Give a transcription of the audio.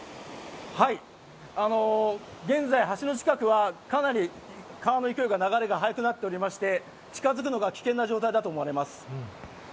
現在、橋の近くはかなり川の勢い、流れが速くなっておりまして、近づくのが危険な状態だと思われます。